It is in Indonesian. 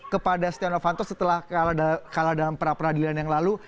kepada setia novanto setelah kalah dalam peradilan yang lalu